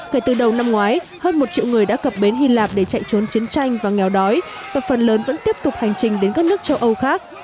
kể từ đầu năm ngoái hơn một triệu người đã cập bến hy lạp để chạy trốn chiến tranh và nghèo đói và phần lớn vẫn tiếp tục hành trình đến các nước châu âu khác